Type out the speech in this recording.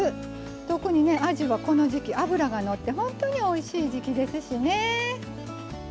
特にねあじはこの時季脂が乗って本当においしい時季ですしね。